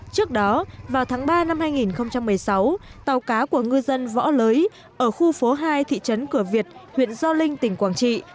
trước đó vào tháng ba năm hai nghìn một mươi sáu tàu cá của ngư dân võ lưới ở khu phố hai thị trấn cửa việt huyện gio linh tỉnh quảng trị